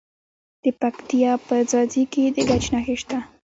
د پکتیا په ځاځي کې د ګچ نښې شته.